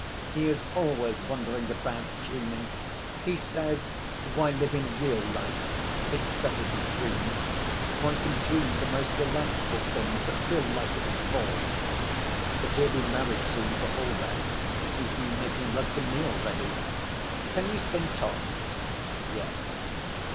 "He is always wandering about, dreaming. He says, 'Why live in real life? It's better to dream. One can dream the most delightful things, but real life is a bore.' But he'll be married soon for all that; he's been making love to me already. Can you spin tops?" "Yes."